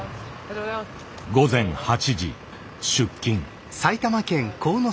午前８時出勤。